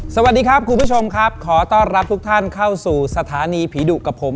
สวัสดีครับคุณผู้ชมครับขอต้อนรับทุกท่านเข้าสู่สถานีผีดุกับผม